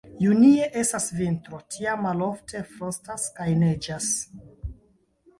Junie estas vintro, tiam malofte frostas kaj neĝas.